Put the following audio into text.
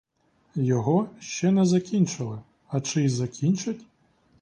Його ще не закінчили, а чи й закінчать?